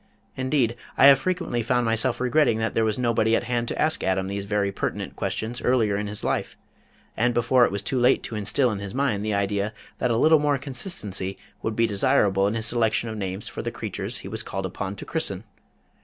Indeed I have frequently found myself regretting that there was nobody at hand to ask Adam these very pertinent questions earlier in his life, and before it was too late to instil in his mind the idea that a little more consistency would be desirable in his selection of names for the creatures he was called upon to christen.